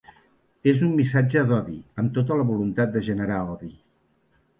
És un missatge d’odi, amb tota la voluntat de generar odi.